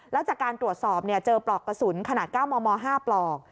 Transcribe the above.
แล้วจากการตรวจสอบเจอปลอกกระสุนขนาด๙มม๕ปลอก